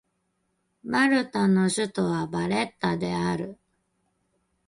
マルタの首都はバレッタである